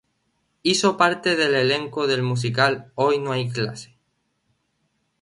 Hizo parte del elenco del musical Hoy no hay clase.